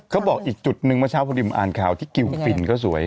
เค้าบอกอีกจุดมินเมื่อเช้าที่ดิมอ่านข่าวที่กิลฟินที่กิลฟินก็สวย